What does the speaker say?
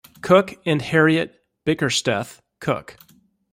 Cook and Harriet Bickersteth Cook.